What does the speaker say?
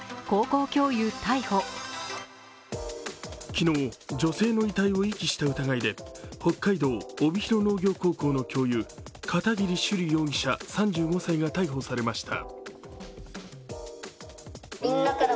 昨日、女性の遺体を遺棄した疑いで北海道・帯広農業高校の教諭片桐珠璃容疑者３５歳が逮捕されました。